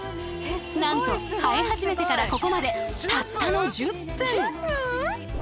なんと生え始めてからここまでたったの１０分！